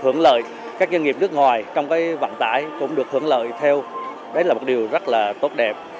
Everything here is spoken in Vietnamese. hưởng lợi các doanh nghiệp nước ngoài trong vận tải cũng được hưởng lợi theo đó là một điều rất tốt đẹp